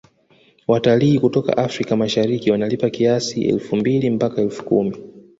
Watalii kutoka africa mashariki wanalipa kiasi elfu mbili mpaka elfu kumi